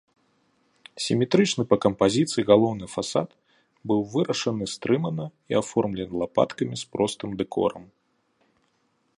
Сіметрычны па кампазіцыі галоўны фасад быў вырашаны стрымана і аформлены лапаткамі з простым дэкорам.